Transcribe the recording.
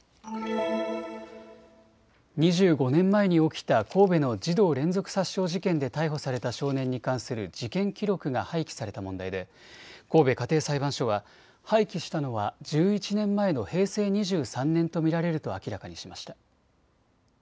２５年前に起きた神戸の児童連続殺傷事件で逮捕された少年に関する事件記録が廃棄された問題で神戸家庭裁判所は廃棄したのは１１年前の平成２３年と見られると明らかにしました。